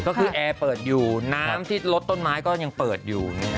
ก็คือแอร์เปิดอยู่น้ำที่ลดต้นไม้ก็ยังเปิดอยู่